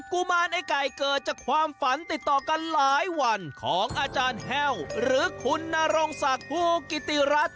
กุมารไอ้ไก่เกิดจากความฝันติดต่อกันหลายวันของอาจารย์แห้วหรือคุณนรงศักดิ์ภูกิติรัฐ